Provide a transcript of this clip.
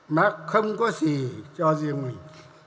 mắc không có gì cho riêng mình